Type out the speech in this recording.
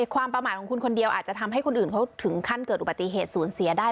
ความประมาทของคุณคนเดียวอาจจะทำให้คนอื่นเขาถึงขั้นเกิดอุบัติเหตุศูนย์เสียได้